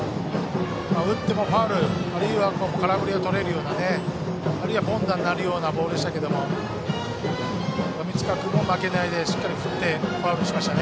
打ってもファウル空振りをとれるようなあるいは凡打になるようなボールでしたけど富塚君も、負けないでしっかり振りファウルにしました。